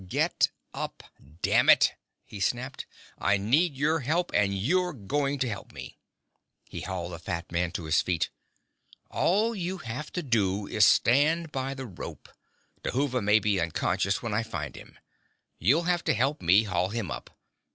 "Get up, damn it!" he snapped. "I need help and you're going to help me!" He hauled the fat man to his feet. "All you have to do is stand by the rope. Dhuva may be unconscious when I find him. You'll have to help me haul him up.